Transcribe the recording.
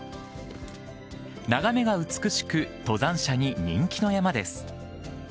眺めが美しく、登山者に人気の山です。